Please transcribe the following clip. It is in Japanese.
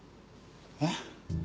えっ？